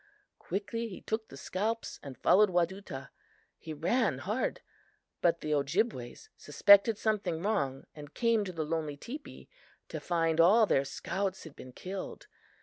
"Quickly he took the scalps and followed Wadutah. He ran hard. But the Ojibways suspected something wrong and came to the lonely teepee, to find all their scouts had been killed.